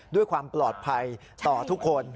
ด้วยความปลอดภัยต่อทุกคน